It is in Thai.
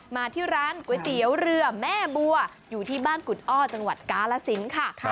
มาที่ร้านก๋วยเตี๋ยวเรือแม่บัวอยู่ที่บ้านกุฎอ้อจังหวัดกาลสินค่ะ